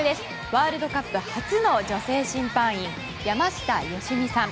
ワールドカップ初の女性審判員山下良美さん。